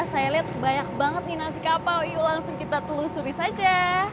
saya lihat banyak banget nih nasi kapau yuk langsung kita telusuri saja